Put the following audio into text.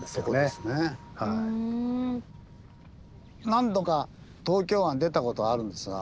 何度か東京湾出たことあるんですが。